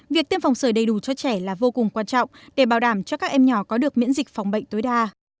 việc tiêm phòng sởi đầy đủ cho trẻ là vô cùng quan trọng để bảo đảm cho các em nhỏ có được miễn dịch phòng bệnh tối đa